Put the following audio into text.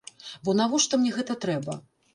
Бо навошта мне гэта трэба?